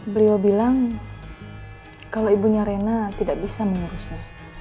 beliau bilang kalau ibunya rena tidak bisa mengurusnya